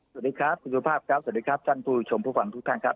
สวัสดีครับคุณสุภาพครับสวัสดีครับท่านผู้ชมผู้ฟังทุกท่านครับ